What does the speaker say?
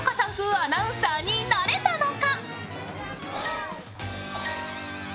アナウンサーになれたのか。